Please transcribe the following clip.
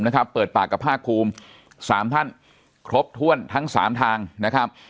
เปิดปากกับภาคภูมิสามท่านครบถ้วนทั้งสามทางนะครับ